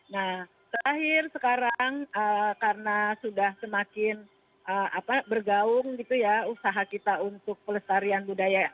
nah terakhir sekarang karena sudah semakin bergaung gitu ya usaha kita untuk pelestarian budaya